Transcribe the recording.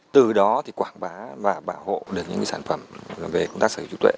từ đó thì quảng bá và bảo hộ được những cái sản phẩm về công tác sở vi tuệ